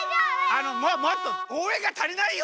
あのもっとおうえんがたりないよ！